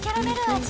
味